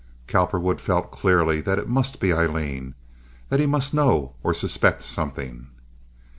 Cowperwood felt clearly that it must be Aileen, that he must know or suspect something.